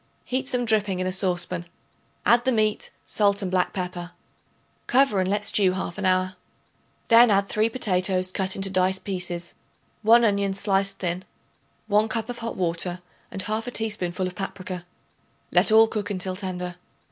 Heat some dripping in a saucepan; add the meat, salt and black pepper; cover and let stew half an hour. Then add 3 potatoes cut into dice pieces, 1 onion sliced thin, 1 cup of hot water, and 1/2 teaspoonful of paprica. Let all cook until tender.